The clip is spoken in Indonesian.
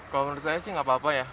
kalau menurut saya sih nggak apa apa ya